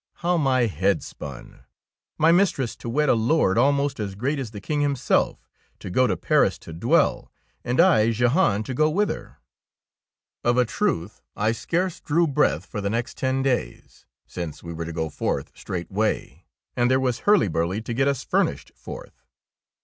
How my head spun! My mistress to wed a lord almost as 29 DEEDS OF DABING great as the King himself, to go to Paris to dwell, and I, Jehan, to go with her! Of a truth I scarce drew breath for the next ten days, since we were to go forth straightway, and there was hurly burly to get us furnished forth.